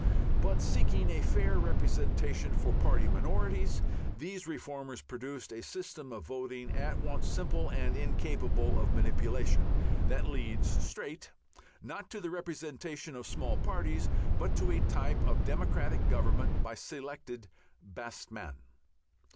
But seeking a fair representation for party minorities, these reformers produced a system of voting at once simple and incapable of manipulation, that leads straight, not to the representation of small parties, but to a type of democratic government by selected best men.